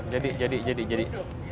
jadi jadi jadi jadi